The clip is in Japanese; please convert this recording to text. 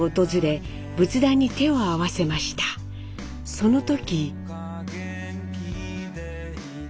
その時。